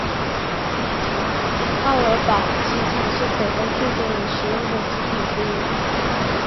奥尔堡机场是北欧最多人使用的机场之一。